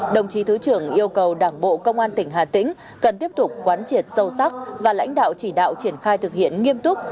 đồng chí thứ trưởng yêu cầu đảng bộ công an tỉnh hà tĩnh cần tiếp tục quán triệt sâu sắc và lãnh đạo chỉ đạo triển khai thực hiện nghiêm túc